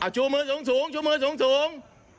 ชูมือสูงสูงชูมือสูงสูง